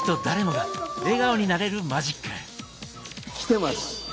誰もが笑顔になれるマジック！